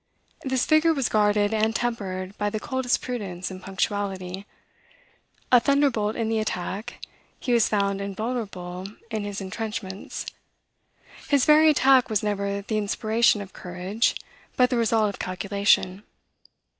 This vigor was guarded and tempered by the coldest prudence and punctuality. A thunderbolt in the attack, he was found invulnerable in his intrenchments. His very attack was never the inspiration of courage, but the result of calculation.